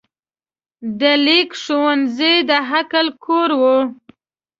د لیک ښوونځی د عقل کور و.